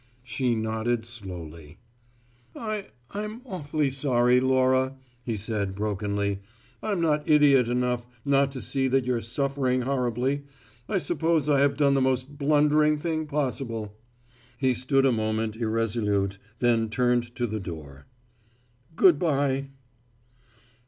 She nodded slowly. "I I'm awfully sorry, Laura," he said brokenly. "I'm not idiot enough not to see that you're suffering horribly. I suppose I have done the most blundering thing possible." He stood a moment, irresolute, then turned to the door. "Good bye."